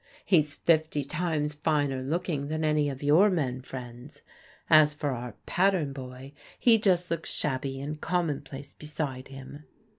" He's fifty times finer looking than any of your men friends. As for our pattern boy, he just looks shabby and conmionplace beside him."